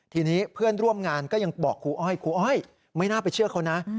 ทีนี้เพื่อนร่วมงานก็ยังบอกครูอ้อยครูอ้อยไม่น่าไปเชื่อเขานะ